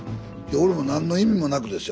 俺も何の意味もなくですよ。